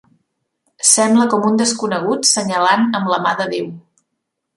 Sembla com un desconegut senyalant amb la mà de Déu.